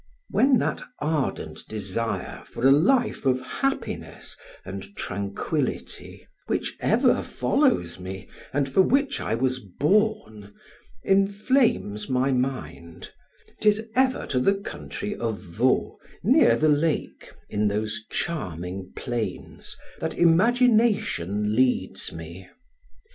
When that ardent desire for a life of happiness and tranquility (which ever follows me, and for which I was born) inflames my mind, 'tis ever to the country of Vaud, near the lake, in those charming plains, that imagination leads me.